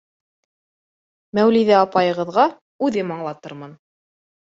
Мәүлиҙә апайығыҙға үҙем аңлатырмын.